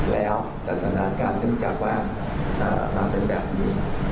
แล้วลักษณะการนึกจากว่าเราเป็นแบบนี้